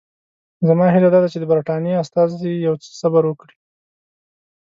زما هیله دا ده چې د برټانیې استازي یو څه صبر وکړي.